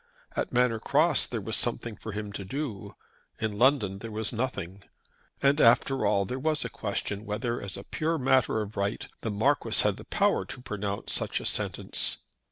At Manor Cross there was something for him to do. In London there was nothing. And, after all, there was a question whether, as a pure matter of right, the Marquis had the power to pronounce such a sentence.